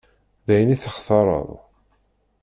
D ayen i textareḍ.